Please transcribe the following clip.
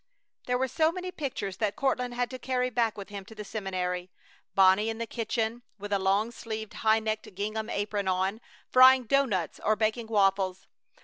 There were so many pictures that Courtland had to carry back with him to the seminary. Bonnie in the kitchen, with a long sleeved, high necked gingham apron on, frying doughnuts or baking waffles.